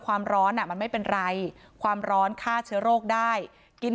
ความร้อนอ่ะมันไม่เป็นไรความร้อนฆ่าเชื้อโรคได้กิน